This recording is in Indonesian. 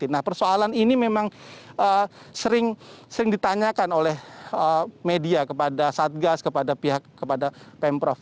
nah persoalan ini memang sering ditanyakan oleh media kepada satgas kepada pihak kepada pemprov